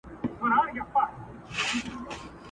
د خپل رقیب کړو نیمه خوا لښکري،